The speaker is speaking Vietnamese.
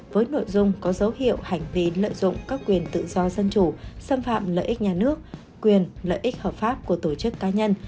với nội dung có dấu hiệu hành vi lợi dụng các quyền tự do dân chủ xâm phạm lợi ích nhà nước quyền lợi ích hợp pháp của tổ chức cá nhân